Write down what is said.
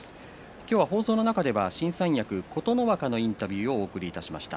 今日、放送の中で新三役の琴ノ若のインタビューをお送りしました。